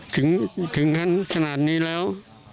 ถึงถึงขนาดนี้แล้ว